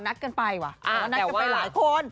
นัดกันไปว่ะนัดกันไปหลายคน